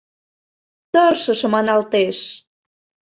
Тыршыше маналтеш!